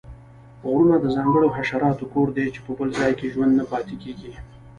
غرونه د ځانګړو حشراتو کور دی چې په بل ځاې کې ژوندي نه پاتیږي